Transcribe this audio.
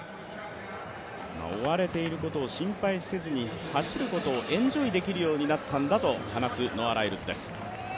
追われていることを心配せずに走ることをエンジョイできるようになったんだと話すノア・ライルズです。